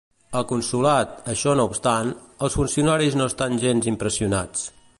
Al consolat, això no obstant, els funcionaris no estan gens impressionats.